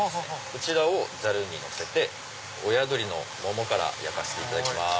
こちらをざるにのせておや鶏のモモから焼かせていただきます。